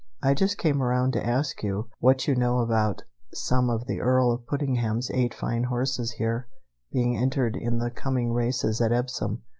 I just came around to ask you what you know about some of the Earl of Puddingham's eight fine horses here being entered in the coming races at Epsom.